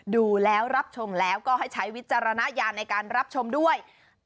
ดูแล้วรับชมแล้วก็ให้ใช้วิจารณญาณในการรับชมด้วย